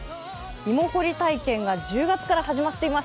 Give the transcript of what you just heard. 芋掘り体験が１０月から始まっています。